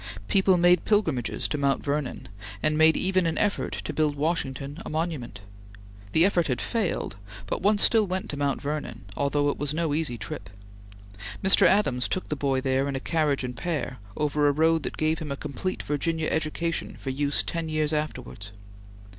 People made pilgrimages to Mount Vernon and made even an effort to build Washington a monument. The effort had failed, but one still went to Mount Vernon, although it was no easy trip. Mr. Adams took the boy there in a carriage and pair, over a road that gave him a complete Virginia education for use ten years afterwards.